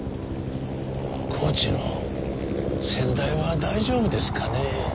高知の先代は大丈夫ですかね？